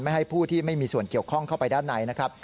ให้ผู้ที่ไม่มีส่วนเกี่ยวข้องเข้าไปด้านในนะครับ